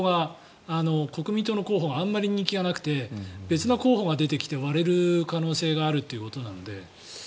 国民党の候補があまり人気がなくて別の候補が出てきて割れる可能性があるということなので。